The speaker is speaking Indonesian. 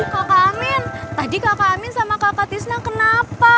kakak amin tadi kakak amin sama kakak tisna kenapa